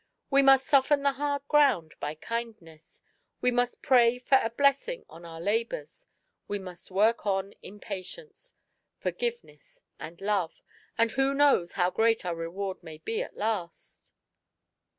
We must soften the hard ground by kindness, we must pray for a bless ing on our labours, we must work on in patience, for giveness, and love, and who knows how great our reward may be at last!"